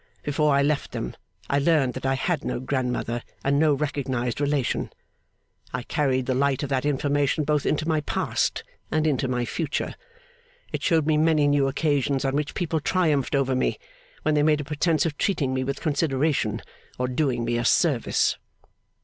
Before I left them, I learned that I had no grandmother and no recognised relation. I carried the light of that information both into my past and into my future. It showed me many new occasions on which people triumphed over me, when they made a pretence of treating me with consideration, or doing me a service.